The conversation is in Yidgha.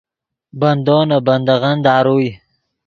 بندو نے بندغّن داروئے